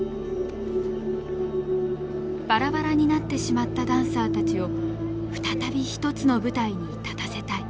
バラバラになってしまったダンサーたちを再び一つの舞台に立たせたい。